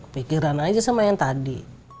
pikiran aja sama yang tadi